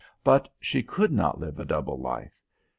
But she could not live a double life.